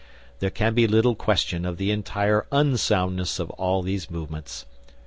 There can be little question of the entire unsoundness of all these movements.